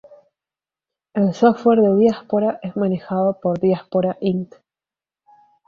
El software de Diaspora es manejado por Diaspora, Inc.